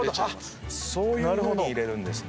そういうふうに入れるんですね。